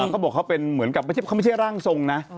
เขาบอกเขาเป็นเหมือนกับเขาไม่ใช่ร่างทรงนะ